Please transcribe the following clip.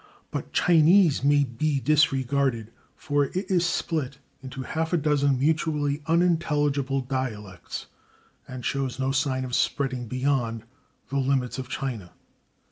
But Chinese may be disregarded, for it is split into half a dozen mutually unintelligible dialects, and shows no sign of spreading beyond the limits of China.